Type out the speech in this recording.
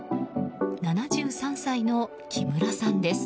７３歳の木村さんです。